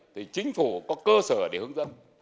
thì chính phủ có cơ sở để hướng dẫn